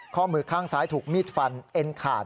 ข้อมือข้างซ้ายถูกมีดฟันเอ็นขาด